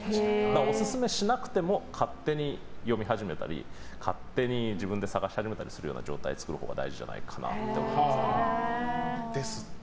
お勧めしなくても勝手に読み始めたり勝手に自分で探し始めたりする状態を作るほうが大事かなと思います。